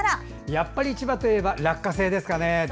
やっぱり千葉といえば落花生ですかね。